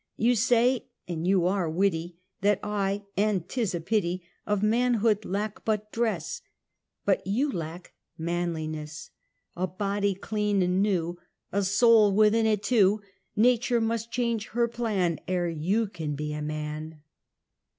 You say — and you are witty — That I — and, tis a pity — Of manhood lack but dress; But you lack manliness, A body clean and new, A soul within it, too. Nature must change her plan Ere you can be a man.